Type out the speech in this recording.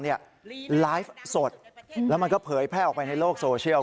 ไลฟ์สดแล้วมันก็เผยแพร่ออกไปในโลกโซเชียล